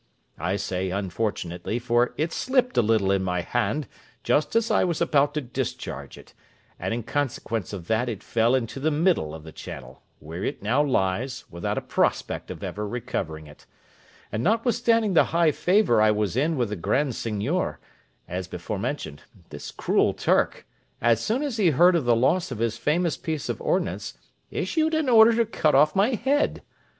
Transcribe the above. I say unfortunately, for it slipped a little in my hand just as I was about to discharge it, and in consequence of that it fell into the middle of the channel, where it now lies, without a prospect of ever recovering it: and notwithstanding the high favour I was in with the Grand Seignior, as before mentioned, this cruel Turk, as soon as he heard of the loss of his famous piece of ordnance, issued an order to cut off my head.